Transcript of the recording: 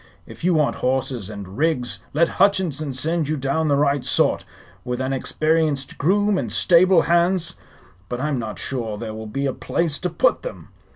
If you want horses and rigs, let Hutchinson send you down the right sort, with an experienced groom and stable hands. But I'm not sure there will be a place to put them."